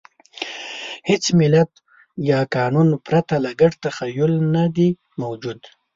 هېڅ ملت یا قانون پرته له ګډ تخیل نهدی موجود.